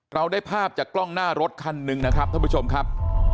เราได้ภาพจากกล้องหน้ารถคันหนึ่งนะครับท่านผู้ชมครับ